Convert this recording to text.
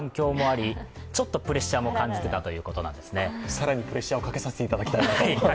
更にプレッシャーをかけさせていただきたいと。